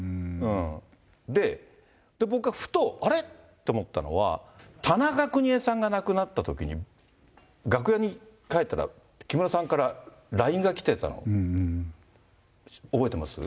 で、僕はふと、あれ？と思ったのは、田中邦衛さんが亡くなったときに、楽屋に帰ったら、木村さんからＬＩＮＥが来てたの、覚えてます？